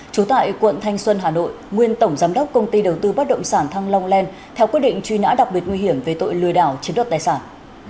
trú tại quận thanh xuân hà nội nguyên tổng giám đốc công ty đầu tư bất động sản thăng long len theo quyết định truy nã đặc biệt nguy hiểm về tội lừa đảo chiếm đoạt tài sản